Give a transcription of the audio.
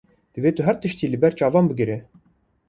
Divê tu her tiştî li ber çavan bigire.